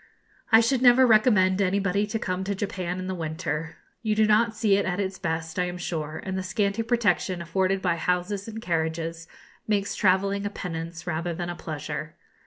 I should never recommend anybody to come to Japan in the winter. You do not see it at its best, I am sure, and the scanty protection afforded by houses and carriages makes travelling a penance rather than a pleasure.